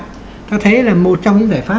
chúng ta thấy là một trong những giải pháp